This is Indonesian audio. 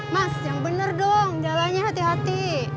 mas yang benar dong jalannya hati hati